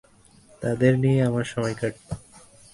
তাদের নিয়েই আমার সময় কাটত।